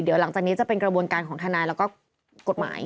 เดี๋ยวหลังจากนี้จะเป็นกระบวนการของทนายแล้วก็กฎหมาย